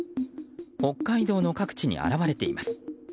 北海道の各地に現れています。